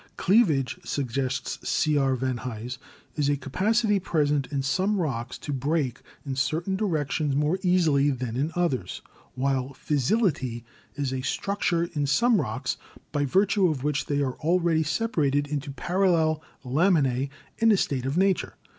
"Cleavage," suggests C. R. van Hise, "is a capacity present in some rocks to break in certain directions more easily than in others, while fissility is a structure in some rocks by virtue of which they are already separated into parallel laminae in a state of nature.